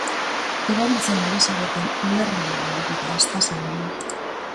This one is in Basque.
Erabiltzen ari zareten u erre ele helbidea ez da segurua.